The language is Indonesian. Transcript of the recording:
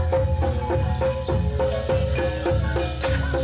malah diangkat ke kudanya ter salvation